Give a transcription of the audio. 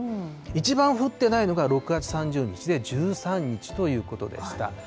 一番降ってないのが６月３０日で１３日ということでした。